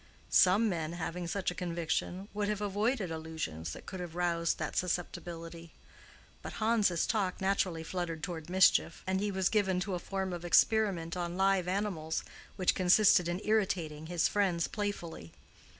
Some men, having such a conviction, would have avoided allusions that could have roused that susceptibility; but Hans's talk naturally fluttered toward mischief, and he was given to a form of experiment on live animals which consisted in irritating his friends playfully.